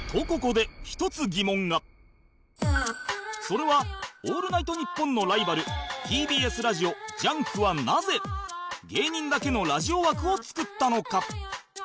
それは『オールナイトニッポン』のライバル ＴＢＳ ラジオ『ＪＵＮＫ』はなぜ芸人だけのラジオ枠を作ったのか？